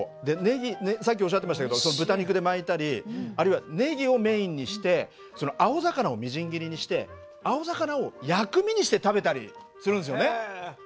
でネギさっきおっしゃってましたけど豚肉で巻いたりあるいはネギをメインにして青魚をみじん切りにして青魚を薬味にして食べたりするんですよね。